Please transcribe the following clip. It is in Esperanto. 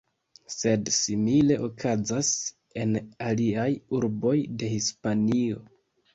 Sed simile okazas en aliaj urboj de Hispanio.